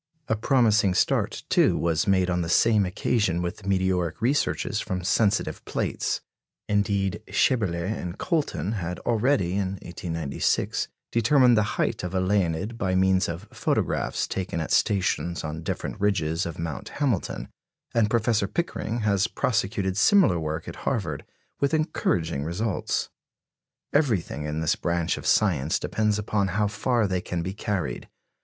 A promising start, too, was made on the same occasion with meteoric researches from sensitive plates. Indeed, Schaeberle and Colton had already, in 1896, determined the height of a Leonid by means of photographs taken at stations on different ridges of Mount Hamilton; and Professor Pickering has prosecuted similar work at Harvard, with encouraging results. Everything in this branch of science depends upon how far they can be carried.